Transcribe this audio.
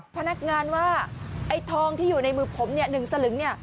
พนักงานว่าไอ้ทองที่อยู่ในมือผมเนี่ย๑สลึงเนี่ย